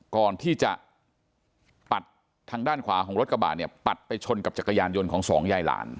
ก่อนที่จะปัดทางด้านขวาของรถกระบะเนี่ยปัดไปชนกับจักรยานยนต์ของสองยายหลาน